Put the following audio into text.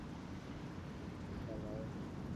Torchlight চালাও।